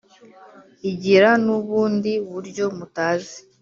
igira n’ubundi buryo mutazi,